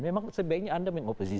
memang sebaiknya anda mengoposisi